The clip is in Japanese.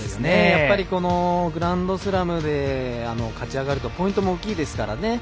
やっぱりグランドスラムで勝ち上がるとポイントも大きいですからね。